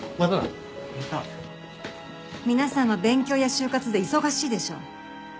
皆さんは勉強や就活で忙しいでしょう。